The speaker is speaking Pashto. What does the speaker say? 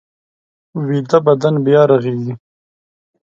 ویده بدن بیا رغېږي